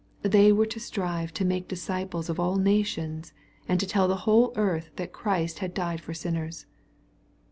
They were to strive to make disciples of all nations, and to tell the whole earth that Christ had died for sinners.